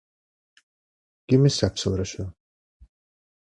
Qui més sap sobre això?